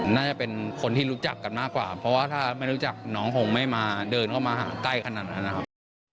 น่าจะเป็นคนที่รู้จักกันมากกว่าเพราะว่าถ้าไม่รู้จักน้องหงไม่มาเดินเข้ามาหาใกล้ขนาดนั้นนะครับ